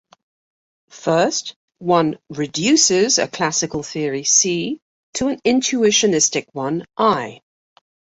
First, one "reduces" a classical theory C to an intuitionistic one I.